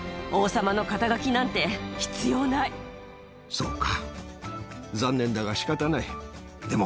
そうか。